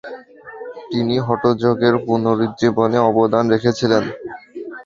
তিনি হঠযোগের পুনরুজ্জীবনে অবদান রেখেছিলেন।